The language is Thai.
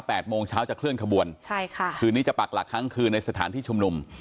โมงเช้าจะเคลื่อนขบวนใช่ค่ะคืนนี้จะปักหลักครั้งคืนในสถานที่ชุมนุม